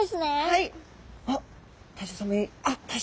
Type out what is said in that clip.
はい。